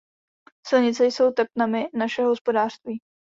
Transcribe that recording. Silnice jsou tepnami našeho hospodářství.